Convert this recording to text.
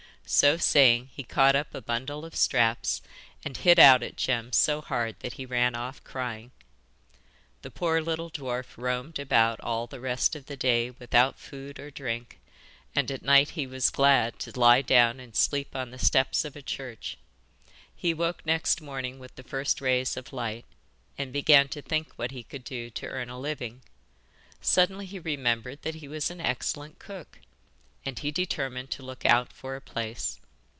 So saying, he caught up a bundle of straps, and hit out at Jem so hard that he ran off crying. The poor little dwarf roamed about all the rest of the day without food or drink, and at night was glad to lie down and sleep on the steps of a church. He woke next morning with the first rays of light, and began to think what he could do to earn a living. Suddenly he remembered that he was an excellent cook, and he determined to look out for a place.